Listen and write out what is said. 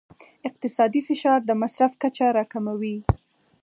اقتصادي فشار د مصرف کچه راکموي.